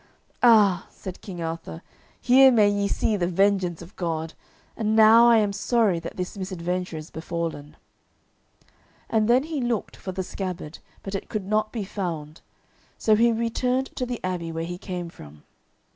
"Ah," said the King, "here may ye see the vengeance of God, and now I am sorry that this misadventure is befallen." And then he looked for the scabbard, but it could not be found, so he returned to the abbey where he came from.